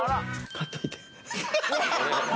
買っといて。